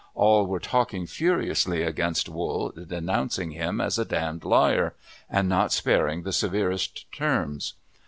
All were talking furiously against Wool, denouncing him as a d d liar, and not sparing the severest terms.